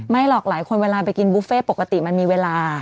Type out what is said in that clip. หรอกหลายคนเวลาไปกินบุฟเฟ่ปกติมันมีเวลา